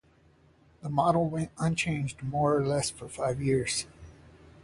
The model went unchanged more or less for five years.